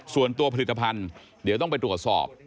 ส่วนตัวผลิตภัณฑ์เดี๋ยวต้องไปตรวจสอบ